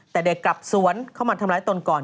แต่เด็กกลับสวนเข้ามาทำร้ายตนก่อน